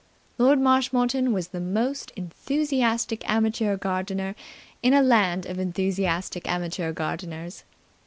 Lord Marshmoreton was the most enthusiastic amateur gardener in a land of enthusiastic amateur gardeners.